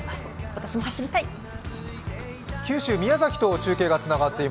私も走りたい。